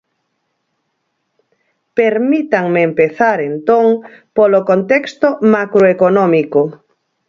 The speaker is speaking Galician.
Permítanme empezar, entón, polo contexto macroeconómico.